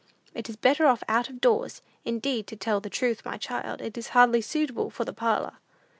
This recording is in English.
"It is better off out of doors. Indeed, to tell the truth, my child, it is hardly suitable for the parlor."